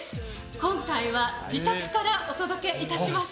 今回は自宅からお届けいたします。